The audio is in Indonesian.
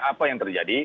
apa yang terjadi